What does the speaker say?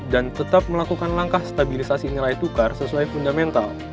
dan tetap melakukan langkah stabilisasi nilai tukar sesuai fundamental